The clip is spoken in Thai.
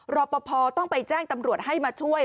รอปภต้องไปแจ้งตำรวจให้มาช่วย